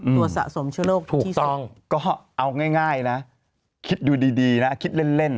สะสมเชื้อโรคถูกต้องก็เอาง่ายนะคิดดูดีนะคิดเล่น